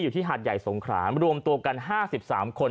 หาดใหญ่สงขรามรวมตัวกัน๕๓คน